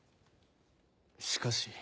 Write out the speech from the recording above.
しかし。